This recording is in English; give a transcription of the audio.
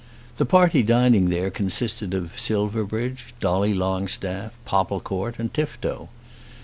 The party dining there consisted of Silverbridge, Dolly Longstaff, Popplecourt, and Tifto.